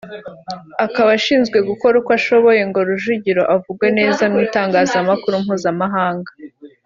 akaba ashinzwe gukora uko ashoboye ngo Rujugiro avugwe neza mu itangazamakuru mpuzamahanga